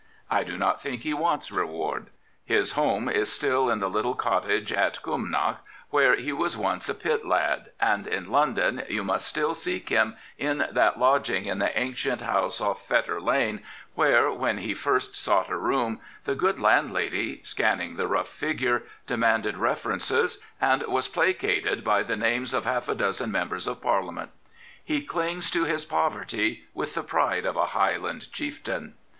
I do not think he wants reward. His home is still in the little cottage at Cumnock, where he was once a pit lad, and in London you must still seek him in that lodging in the ancient house off Fetter Lane, where, when he first sought a room, the good landlady, scanning the rough figure, demanded references, and was placated by the names of half a dozen members of Parliament. He clings to his poverty with the pride of a Highland chieftain.